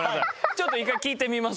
ちょっと一回聞いてみます。